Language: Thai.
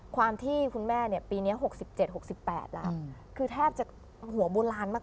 ความที่คุณแม่ปีนี้๖๗๖๘แล้วคือแทบจะหัวโบราณมาก